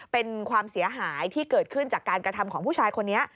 เป็นความเสียหายที่เกิดขึ้นจากการกระทำของผู้ชายคนนี้